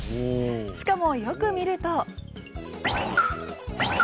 しかも、よく見ると。